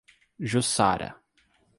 Jussara